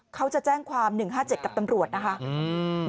เขาจะแจ้งความ๑๕๗กับตำรวจนะคะ